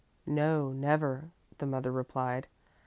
"No, never," the mother replied.